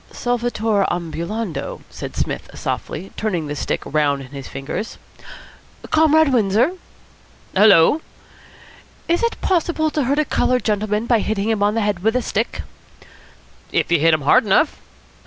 "Solvitur ambulando," said Psmith softly, turning the stick round in his fingers. "Comrade Windsor!" "Hullo?" "Is it possible to hurt a coloured gentleman by hitting him on the head with a stick?" "If you hit him hard enough."